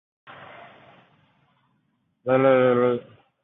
阿尔及利亚政府应科威特及沙特政府的要求让飞机待在地面上。